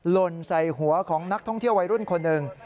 หล่นใส่หัวของนักท่องเที่ยววัยรุ่นคนหนึ่ง